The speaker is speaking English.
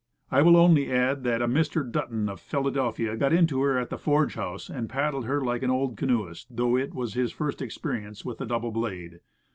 I will only add that a Mr. Dutton, of Philadelphia, got into her at the Forge House, and paddled her like an old canoeist, though it was his first experience with the double blade.